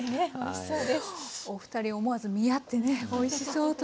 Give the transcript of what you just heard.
お二人思わず見合ってね「おいしそう」と。